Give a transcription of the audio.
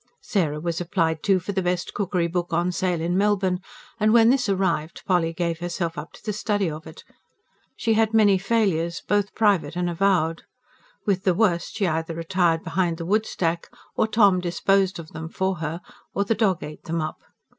Sarah was applied to for the best cookery book on sale in Melbourne, and when this arrived, Polly gave herself up to the study of it. She had many failures, both private and avowed. With the worst, she either retired behind the woodstack, or Tom disposed of them for her, or the dog ate them up.